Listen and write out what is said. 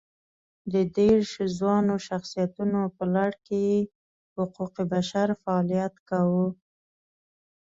د دېرش ځوانو شخصیتونو په لړ کې یې حقوق بشر فعالیت کاوه.